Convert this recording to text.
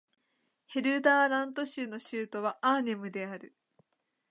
ヘルダーラント州の州都はアーネムである